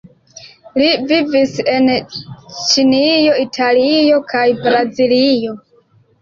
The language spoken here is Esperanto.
Li vivis en Ĉinio, Italio kaj Brazilo.